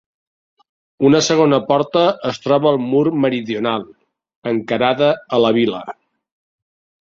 Una segona porta es troba al mur meridional, encarada a la vila.